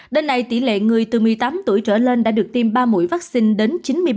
đến nay tỷ lệ người từ một mươi tám tuổi trở lên đã được tiêm ba mũi vaccine đến chín mươi ba